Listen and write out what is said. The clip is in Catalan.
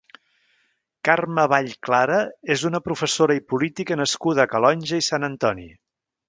Carme Vall Clara és una professora i política nascuda a Calonge i Sant Antoni.